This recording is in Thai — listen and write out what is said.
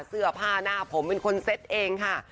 เสื้อผ้าหน้าผมเป็นคนเซ็ตเองค่ะ